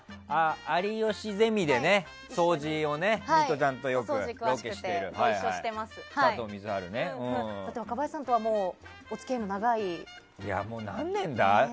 「有吉ゼミ」で掃除を、ミトちゃんとよくロケしている若林さんとはもう何年だ？